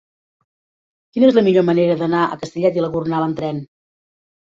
Quina és la millor manera d'anar a Castellet i la Gornal amb tren?